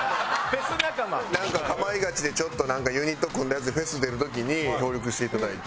なんか『かまいガチ』でちょっとユニット組んだやつでフェス出る時に協力していただいて。